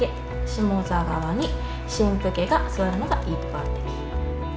下座側に新婦家が座るのが一般的。